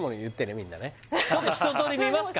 みんなねひととおり見ますか？